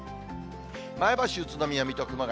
前橋、宇都宮、水戸、熊谷。